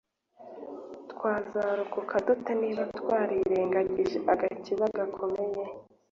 Twazarokoka dute niba twarirengagije agakiza gakomeye